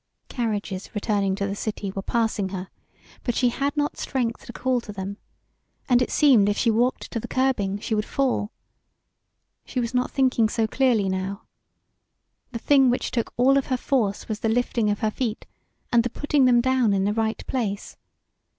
Carriages returning to the city were passing her, but she had not strength to call to them, and it seemed if she walked to the curbing she would fall. She was not thinking so clearly now. The thing which took all of her force was the lifting of her feet and the putting them down in the right place.